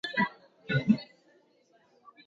Ulifanya kazi gani?